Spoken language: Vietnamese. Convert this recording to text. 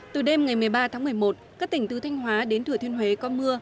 từ đêm ngày một mươi ba tháng một mươi một các tỉnh từ thanh hóa đến thừa thiên huế có mưa